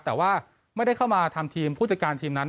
แต่ว่าไม่ได้เข้ามาทำทีมผู้จัดการทีมนั้น